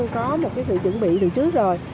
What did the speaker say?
có một cái sự chuẩn bị từ trước rồi